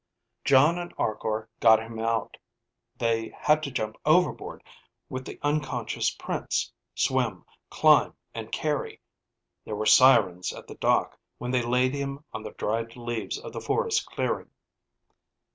Jon and Arkor got him out. They had to jump overboard with the unconscious Prince, swim, climb, and carry. There were sirens at the dock when they laid him on the dried leaves of the forest clearing.